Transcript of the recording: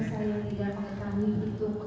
saya ingin tahu persis